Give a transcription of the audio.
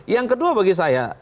yang kedua bagi saya